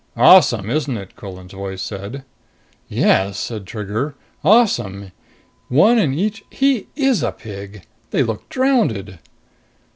"Awesome, isn't it?" Quillan's voice said. "Yes," said Trigger. "Awesome. One in each he is a pig! They look drowned."